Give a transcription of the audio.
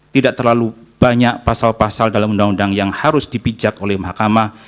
tidak terlalu banyak pasal pasal dalam undang undang yang harus dipijak oleh mahkamah